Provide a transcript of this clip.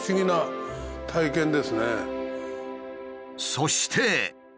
そして。